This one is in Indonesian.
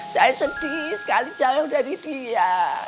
saya sedih sekali jauh dari dia